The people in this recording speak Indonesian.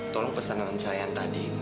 tolong pesan dengan saya yang tadi